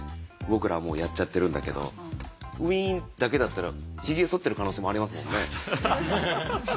僕らはもうやっちゃってるんだけど「ウィン」だけだったらひげそってる可能性もありますもんね。